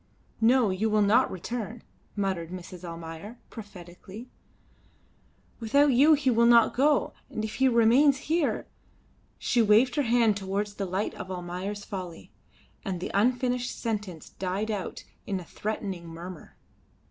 "No, you will not return," muttered Mrs. Almayer, prophetically. "Without you he will not go, and if he remains here " She waved her hand towards the lights of "Almayer's Folly," and the unfinished sentence died out in a threatening murmur.